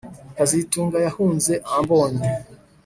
kazitunga yahunze ambonye